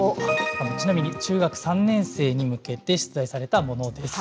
ちなみに、中学３年生に向けて、出題されたものです。